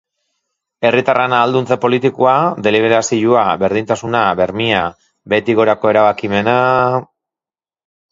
Herritarren ahalduntze politikoa, deliberazioa, berdintasuna, bermea, behetik gorako erabakimena...